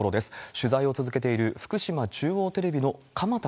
取材を続けている、福島中央テレ